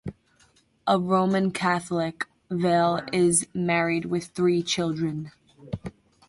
A Roman Catholic, Vaile is married with three children.